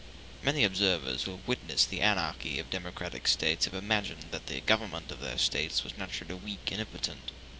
Many observers, who have witnessed the anarchy of democratic States, have imagined that the government of those States was naturally weak and impotent.